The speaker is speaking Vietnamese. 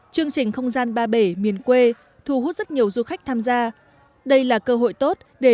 chương trình không gian ba bể miền quê thu hút rất nhiều du khách tham gia đây là cơ hội tốt để